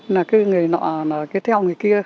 là cứ người nọ là cứ theo người kia